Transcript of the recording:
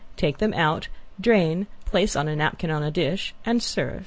Take them out, drain, place on a napkin on a dish and serve.